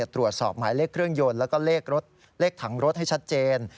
ตรวจสอบหมายเลขเครื่องยนต์แล้วก็เลขถังรถให้ชัดเจน